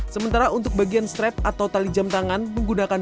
sementara untuk bagian strap atau tali jemtangan